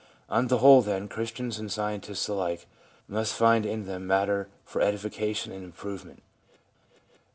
On the whole, then, Christians and Scientists alike must find in them matter for edifica tion and improvement.